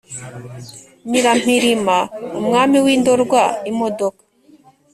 Nyirampirima umwami w'i Ndorwa.-Imodoka.